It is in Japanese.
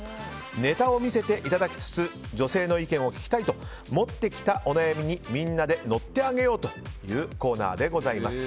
ネタを見せていただきつつ女性の意見を聞きたいと持ってきたお悩みにみんなで乗ってあげようというコーナーでございます。